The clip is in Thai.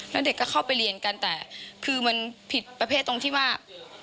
แล้วเด็กก็เข้าไปเรียนกันแต่คือมันผิดประเภทตรงที่ว่า